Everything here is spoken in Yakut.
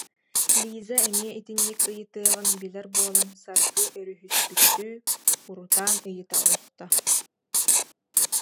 Лиза эмиэ итинник ыйытыаҕын билэр буолан, Саргы өрүһүспүттүү урутаан ыйыта оҕуста